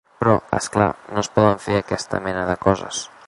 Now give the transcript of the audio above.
Però, és clar, no es poden fer aquesta mena de coses.